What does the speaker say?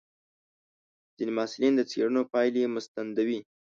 ځینې محصلین د څېړنو پایلې مستندوي.